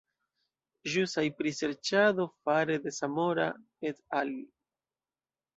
Ĵusaj priserĉado fare de Zamora "et al.